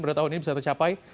pada tahun ini bisa tercapai